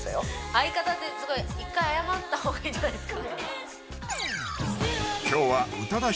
相方ってすごい一回謝った方がいいんじゃないですか